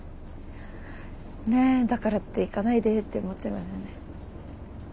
ねえだからっていかないでって思っちゃいますよね。